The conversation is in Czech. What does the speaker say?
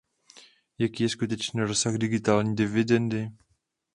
Jaký je skutečný rozsah digitální dividendy?